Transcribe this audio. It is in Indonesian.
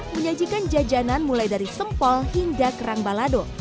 menyajikan jajanan mulai dari sempol hingga kerang balado